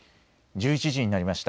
１１時になりました。